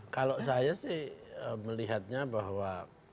kalau saya sih melihatnya bahwa